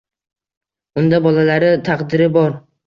Unda bolalari taqdiri bor.